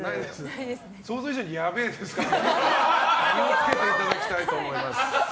想像以上にやべえですから気を付けていただきたいと思います。